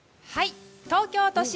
東京都心